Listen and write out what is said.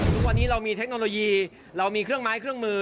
ทุกวันนี้เรามีเทคโนโลยีเรามีเครื่องไม้เครื่องมือ